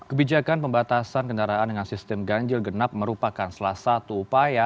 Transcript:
kebijakan pembatasan kendaraan dengan sistem ganjil genap merupakan salah satu upaya